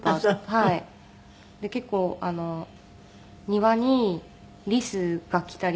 で結構庭にリスが来たりとか。